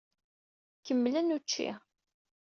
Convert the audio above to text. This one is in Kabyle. Kemmlen učči.